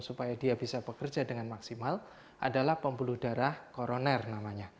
supaya dia bisa bekerja dengan maksimal adalah pembuluh darah koroner namanya